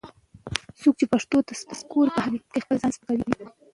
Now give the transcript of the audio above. څوک چې پښتو ته سپک ګوري، په حقیقت کې خپل ځان سپکوي